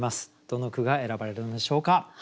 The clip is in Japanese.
どの句が選ばれるのでしょうか。